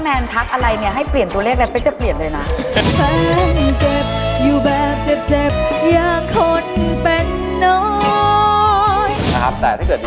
มันมันทักอะไรเนี้ยให้เปลี่ยนตัวเลขได้ไป